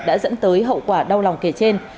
đã dẫn tới hậu quả đau lòng kể trên